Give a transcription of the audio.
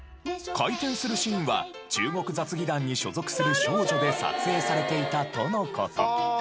回転するシーンは中国雑技団に所属する少女で撮影されていたとの事。